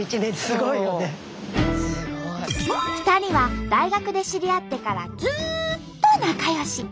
２人は大学で知り合ってからずっと仲よし！